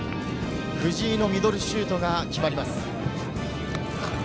藤井のミドルシュートが決まります。